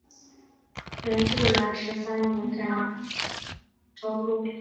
元至元十三年改婺州路。